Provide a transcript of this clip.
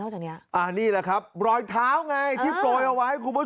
จากนี้นี่แหละครับรอยเท้าไงที่โปรยเอาไว้คุณผู้ชม